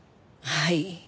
はい。